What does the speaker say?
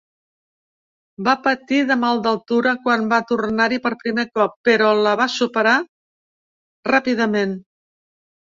Va patir de mal d"altura quan va tornar-hi per primer cop, però la va superar ràpidament.